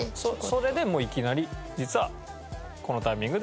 それでもういきなり実はこのタイミングで。